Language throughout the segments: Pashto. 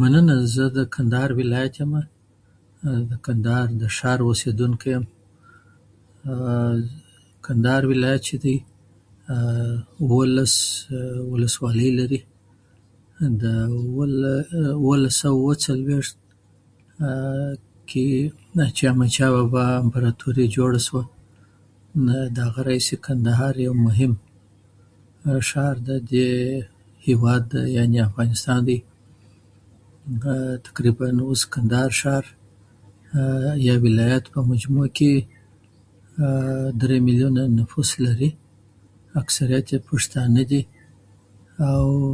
مننه، زه د کندهار ولایت یمه، د کندهار د شار اوسیدونکی یم. کندهار ولایت چې دی، اوولس ولسوالۍ لري. دا وول اوولس سوه اوه څلوېښت کې، چې د احمدشاه بابا امپراتوري جوړه شوه، دغه راهیسې کندهار یو مهم شار دی ددې هېواد ده، یانې د افغانستان دی. دا تقریبا اوس د کندهار شار، یو ولایت په مجموع کې، درې میلیونه نفوس لري. اکثریت یې پشتانه دي، اوو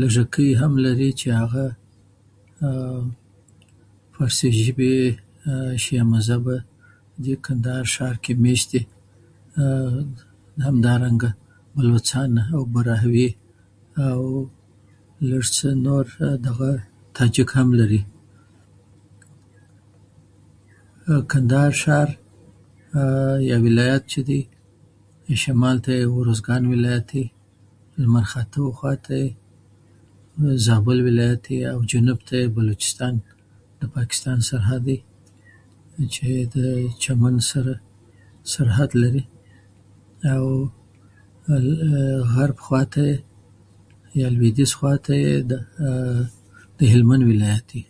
لژکي هم لري، چې هغه فارسي ژبې شیعه مذهبه د کندهار شار کې مېشت دي. همدارنګه [unintelligible] براهوي لژ څه نور دغه تاجک هم لري. او کندهار شار یو ولایت چې دی، شمال ته یې ارزګان ولایت دی، لمرخاته و خواته زابل ولایت دی، او جنوب ته یې د پاکستان د پاکستان سرحد دی، چې د چمن سره سرحد لري. اوو غرب خواته، یا لویديځ خواته یې د هلمند ولایت دی.